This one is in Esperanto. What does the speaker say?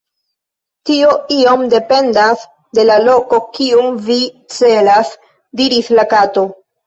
"Tio iom dependas de la loko kiun vi celas," diris la Kato.